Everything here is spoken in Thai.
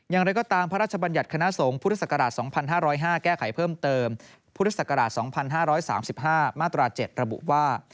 อย่างไรก็ตามพระราชบัญญัติคณะสงฆ์พุทธศักราช๒๕๐๕แก้ไขเพิ่มเติมพุทธศักราช๒๕๓๕มาตรา๗ระบุว่า